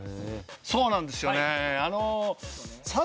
そうなんですよね。